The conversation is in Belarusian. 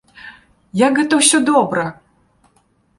Як гэта ўсё добра!